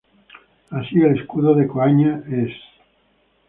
Así el escudo de Coaña es.